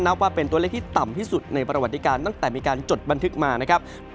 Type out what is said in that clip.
นับว่าเป็นตัวเลขที่ต่ำที่สุดในประวัติการตั้งแต่มีการจดบันทึกมานะครับ